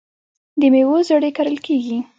د میوو زړې کرل کیږي.